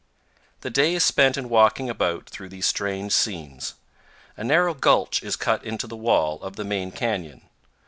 The day is spent in walking about through these strange scenes. A narrow gulch is cut into the wall of the main canyon.